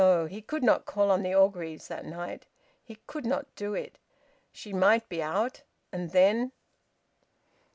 He could not call on the Orgreaves that night. He could not do it. She might be out. And then...